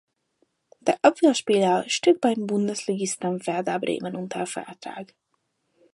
Der Abwehrspieler steht beim Bundesligisten Werder Bremen unter Vertrag.